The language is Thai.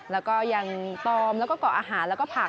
แล้วก็ยังตอมแล้วก็เกาะอาหารแล้วก็ผัก